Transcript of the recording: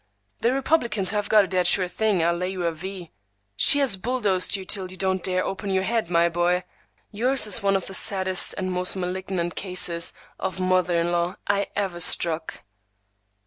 "The Republicans have got a dead sure thing, I'll lay you a V. She has bulldozed you till you don't dare open your head, my boy. Yours is one of the saddest and most malignant cases of mother in law I ever struck."